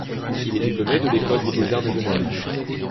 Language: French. Il est diplômé de l'École des beaux-arts de Genève.